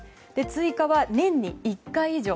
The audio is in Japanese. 追加は年に一回以上。